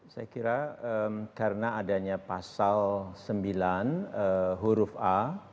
saya kira karena adanya pasal sembilan huruf a